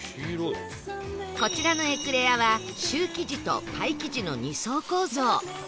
こちらのエクレアはシュー生地とパイ生地の２層構造